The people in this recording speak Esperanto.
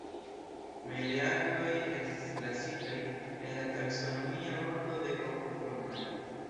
Meleagroj estis klasitaj en la taksonomia ordo de Kokoformaj.